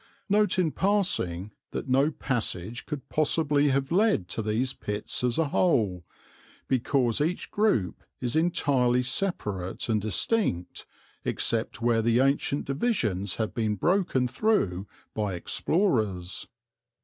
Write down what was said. (Note in passing that no passage could possibly have led to these pits as a whole, because each group is entirely separate and distinct, except where the ancient divisions have been broken through by explorers.)